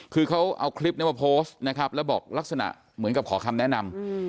คือเขาเอาคลิปนี้มาโพสต์นะครับแล้วบอกลักษณะเหมือนกับขอคำแนะนำ